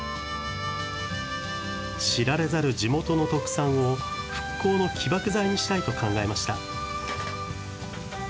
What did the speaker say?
知られざる地元の特産を復興の起爆剤にしたいと考えました。